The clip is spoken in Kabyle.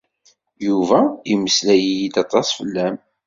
Yuba yemmeslay-iyi-d aṭas fell-am.